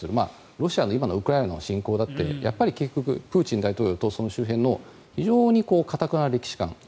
ロシアの今のウクライナ侵攻だって結局プーチン大統領とその周辺の非常に頑なな歴史観